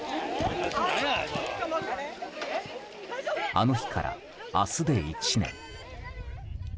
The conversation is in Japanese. あの日から、明日で１年。